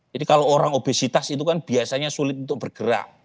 jadi kalau orang obesitas itu kan biasanya sulit untuk bergerak